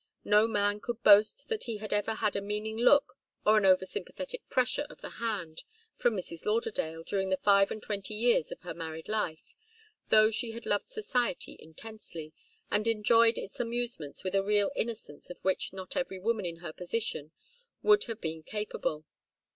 No man could boast that he had ever had a meaning look or an over sympathetic pressure of the hand from Mrs. Lauderdale, during the five and twenty years of her married life, though she had loved society intensely, and enjoyed its amusements with a real innocence of which not every woman in her position would have been capable.